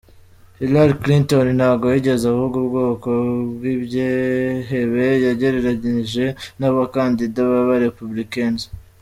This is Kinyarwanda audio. Hillary Clinton ntago yigeze avuga ubwoko bw’ibyehebe yagereranyije n’abakandida b’aba republicains.